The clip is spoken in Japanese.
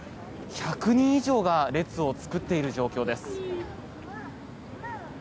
１００人以上が列を作っている状況です。